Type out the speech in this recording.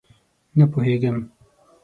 _نه پوهېږم!